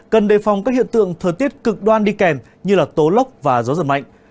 cần đề phòng các hiện tượng thời tiết cực đoan đi kèm như tố lốc và gió giật mạnh